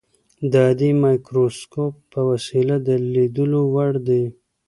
د عادي مایکروسکوپ په وسیله د لیدلو وړ دي.